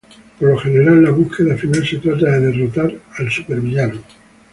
Por lo general, la búsqueda final se trata de derrotar al súper villano.